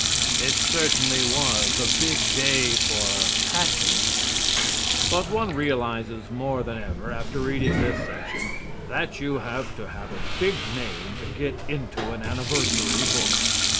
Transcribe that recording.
It certainly was a big day for patents. But one realizes more than ever after reading this section that you have to have a big name to get into an anniversary book.